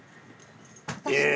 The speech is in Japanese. え！